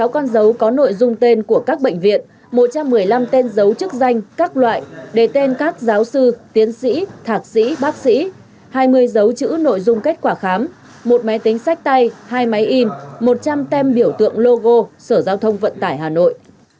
sáu con dấu có nội dung tên của các bệnh viện một trăm một mươi năm tên dấu chức danh các loại để tên các giáo sư tiến sĩ thạc sĩ bác sĩ hai mươi dấu chữ nội dung kết quả khám một máy tính sách tay hai máy in một trăm linh tem biểu tượng logo sở giao thông vận tải hà nội